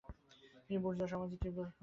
তিনি বুর্জোয়া সমাজের তীব্র সমালোচনা করেন।